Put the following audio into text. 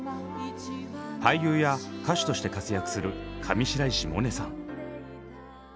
俳優や歌手として活躍する上白石萌音さん。